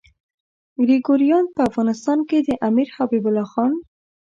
ګریګوریان په افغانستان کې د امیر حبیب الله خان.